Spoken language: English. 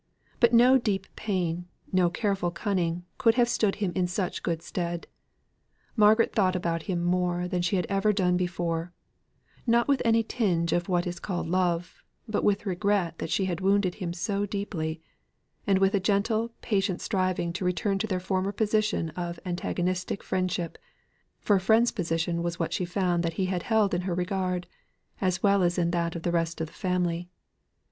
But no deep plan, no careful cunning could have stood him in such good stead. Margaret thought about him more than she had ever done before; not with any tinge of what is called love, but with regret that she had wounded him so deeply, and with a gentle, patient striving to return to their former position of antagonistic friendship; for a friend's position was what she found that he had held in her regard, as well as in that of the rest of the family.